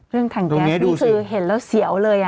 ถังแก๊สนี่คือเห็นแล้วเสียวเลย